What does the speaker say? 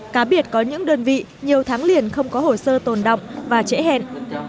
cá biệt có những đơn vị nhiều tháng liền không có hồ sơ tồn động và trễ hẹn